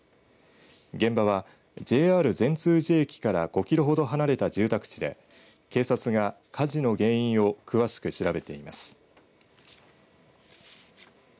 現場は、ＪＲ善通寺駅から５キロほど離れた住宅地で警察が火事の原因を詳しく調べています。